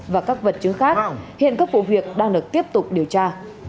và các vật chứng khác hiện các vụ việc đang được tiếp tục điều tra